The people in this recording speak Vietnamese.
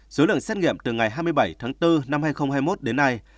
số lượng xét nghiệm từ ngày hai mươi bảy tháng bốn năm hai nghìn hai mươi một đến nay